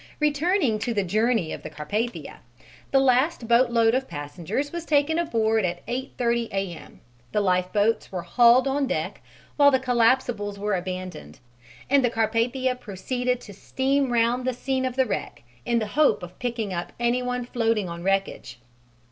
Returning to the journey of the Carpathia the last boatload of passengers was taken aboard at 8.30 A.M., the lifeboats were hauled on deck while the collapsibles were abandoned, and the Carpathia proceeded to steam round the scene of the wreck in the hope of picking up anyone floating on wreckage.